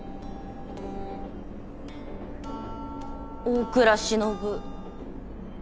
大倉忍。